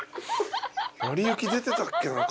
『なりゆき』出てたっけな？